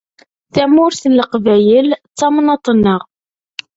Tamurt n Leqbayel d tamnaḍt-nneɣ.